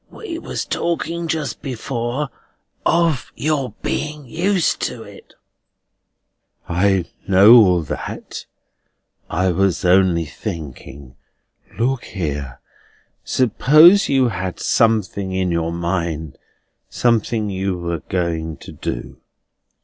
We was talking just before of your being used to it." "I know all that. I was only thinking. Look here. Suppose you had something in your mind; something you were going to do."